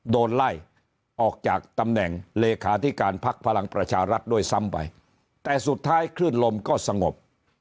โดนไล่ออกจากตำแหน่งเลขาธิการพักพลังประชารัฐด้วยซ้ำไปแต่สุดท้ายคลื่นลมก็สงบ